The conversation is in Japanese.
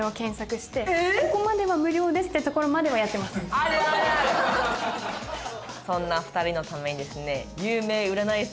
あとあるあるあるそんな２人のためにですね